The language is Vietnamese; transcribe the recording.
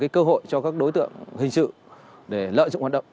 cơ hội cho các đối tượng hình sự để lợi dụng hoạt động